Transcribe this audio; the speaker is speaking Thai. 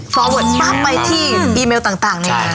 โปรเวิร์ดมากไปที่อีเมลต่างในการ